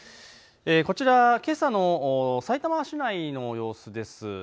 こちら、けさのさいたま市内の様子です。